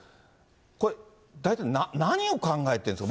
これ、大体何を考えているんですか？